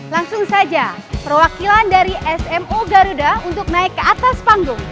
langsung saja perwakilan dari smo garuda untuk naik ke atas panggung